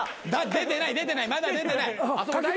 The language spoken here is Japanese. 出てない出てないまだ出てない。